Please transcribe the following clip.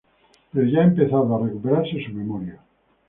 Pero ya ha empezado a recuperarse su memoria.